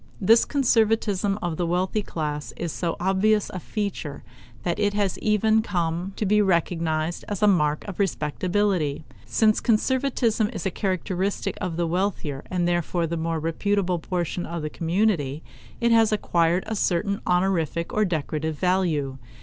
This conservatism of the wealthy class is so obvious a feature that it has even come to be recognized as a mark of respectability. Since conservatism is a characteristic of the wealthier and therefore more reputable portion of the community, it has acquired a certain honorific or decorative value.